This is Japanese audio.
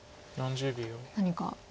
何か。